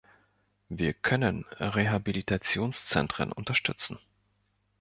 Wir können Rehabilitationszentren unterstützen.